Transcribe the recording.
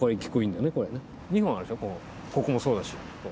ここもそうだし。